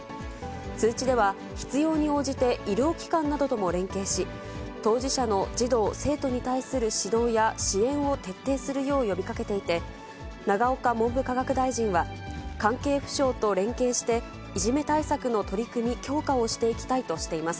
通知では、必要に応じて医療機関などとも連携し、当事者の児童・生徒に対する指導や支援を徹底するよう呼びかけていて、永岡文部科学大臣は、関係府省と連携して、いじめ対策の取り組み強化をしていきたいとしています。